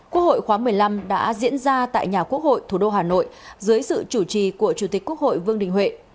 quốc hội khóa một mươi năm đã diễn ra tại nhà quốc hội thủ đô hà nội dưới sự chủ trì của chủ tịch quốc hội vương đình huệ